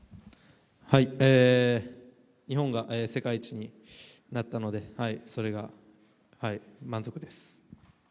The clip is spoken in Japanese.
日本が世界一になったので満足です。